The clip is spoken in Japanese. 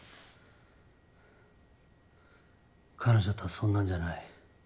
彼女とはそんなんじゃない。